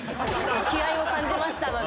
気合を感じましたので。